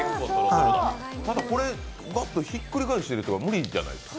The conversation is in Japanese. ただ、これ、ガッとひっくり返すの無理じゃないですか？